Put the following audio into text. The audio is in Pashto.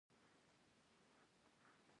پامیر د افغانستان د جغرافیایي موقیعت یوه پایله ده.